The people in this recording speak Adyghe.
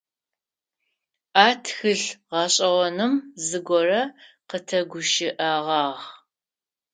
А тхылъ гъэшӏэгъоным зыгорэ къытегущыӏэгъагъ.